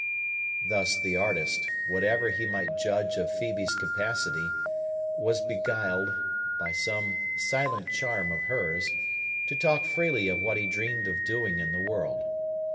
Thus the artist, whatever he might judge of Phœbe's capacity, was beguiled, by some silent charm of hers, to talk freely of what he dreamed of doing in the world.